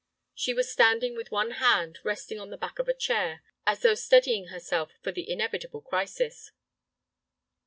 She was standing with one hand resting on the back of a chair, as though steadying herself for the inevitable crisis.